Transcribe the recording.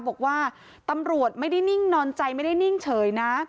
บอกว่าตำรวจไม่ได้นิ่งนอนใจไม่ได้นิ่งเฉยนะ